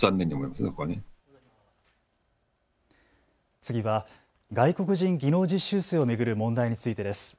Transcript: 次は外国人技能実習生を巡る問題についてです。